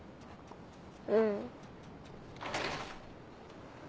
うん。